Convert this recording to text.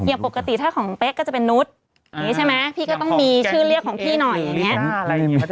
ปกติถ้าของเป๊ะก็จะเป็นนุษย์อย่างนี้ใช่ไหมพี่ก็ต้องมีชื่อเรียกของพี่หน่อยอย่างนี้